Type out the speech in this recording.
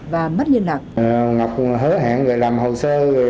và mất liên lạc